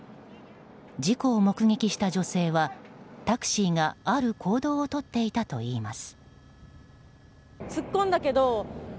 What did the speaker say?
事故を目撃した女性はタクシーがある行動をとっていたといいます。